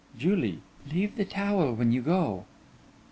JULIE: Leave the towel when you go.